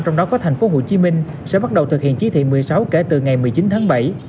trong đó có thành phố hồ chí minh sẽ bắt đầu thực hiện chí thị một mươi sáu kể từ ngày một mươi chín tháng bảy